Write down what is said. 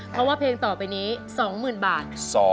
เพราะว่าเพลงต่อไปนี้๒๐๐๐บาท